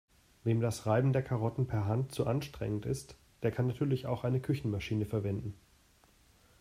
Wem das Reiben der Karotten per Hand zu anstrengend ist, der kann natürlich auch eine Küchenmaschine verwenden.